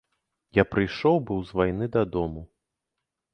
Я прыйшоў быў з вайны дадому.